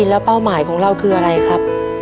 แล้วเป้าหมายของเราคืออะไรครับ